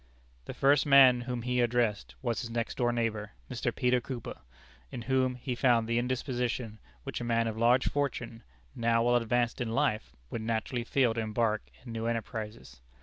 The first man whom he addressed was his next door neighbor, Mr. Peter Cooper, in whom he found the indisposition which a man of large fortune now well advanced in life would naturally feel to embark in new enterprises.